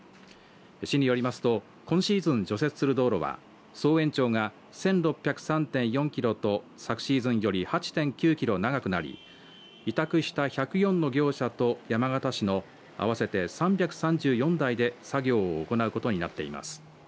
市によりますと今シーズン除雪する道路は総延長が１６０３．４キロと昨シーズンより８．９キロ長くなり委託した１０４の業者と山形市の合わせて３３４台で作業を行うことになっています。